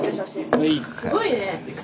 すごいね！